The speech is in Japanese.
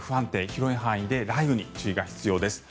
広い範囲で雷雨に注意が必要です。